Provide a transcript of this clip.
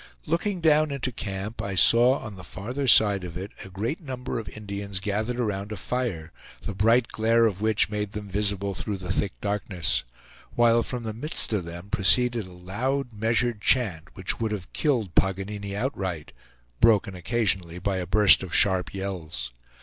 Looking down into camp I saw, on the farther side of it, a great number of Indians gathered around a fire, the bright glare of which made them visible through the thick darkness; while from the midst of them proceeded a loud, measured chant which would have killed Paganini outright, broken occasionally by a burst of sharp yells.